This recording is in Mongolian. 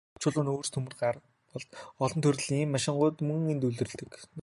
Чулуун нүүрс, төмөр, ган болд, олон төрлийн машинуудыг мөн энд үйлдвэрлэдэг.